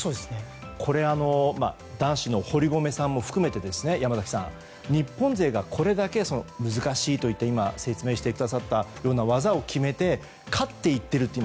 これは、男子の堀米さんも含めて山崎さん、日本勢がこれだけ難しいと説明してくださったような技を決めて勝っていっているという。